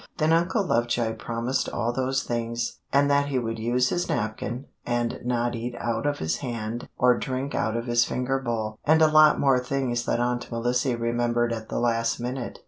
Then Uncle Lovejoy promised all those things, and that he would use his napkin and not eat pie out of his hand or drink out of his finger bowl, and a lot more things that Aunt Melissy remembered at the last minute.